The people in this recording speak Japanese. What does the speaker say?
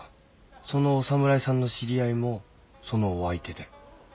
そのお侍さんの知り合いもそのお相手で。